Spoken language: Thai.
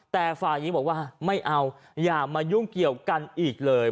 แต่ฝ่ายหญิงบอกว่าไม่เอาอย่ามายุ่งเกี่ยวกันอีกเลย